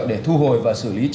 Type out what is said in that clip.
để thu hồi và xử lý